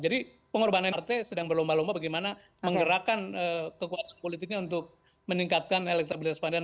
jadi pengorbanan partai sedang berlomba lomba bagaimana menggerakkan kekuatan politiknya untuk meningkatkan elektabilitas pandangan